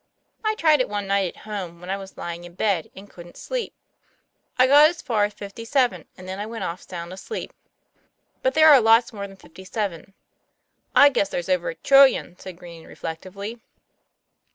" I tried it one night at home, when I was lying in bed and couldn't sleep. I got as far as fifty seven, and then I went off sound asleep. But there are lots more than fifty seven." "I guess there's over a trillion," said Green reflectively.